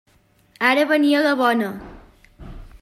Ara venia la bona!